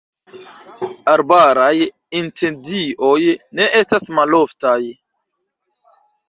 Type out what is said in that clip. Arbaraj incendioj ne estas maloftaj.